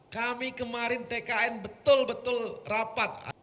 kami kemarin tkn betul betul rapat